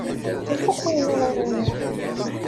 Ifuk wayen ara m-iniɣ.